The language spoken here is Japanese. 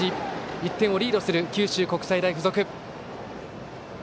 １点をリードする九州国際大付属。